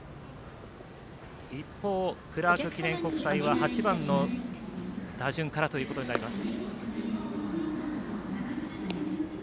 一方、クラーク記念国際は８番の打順からということになります。